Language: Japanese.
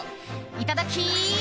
いただき！